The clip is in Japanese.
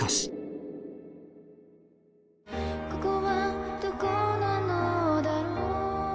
ここはどこなのだろう？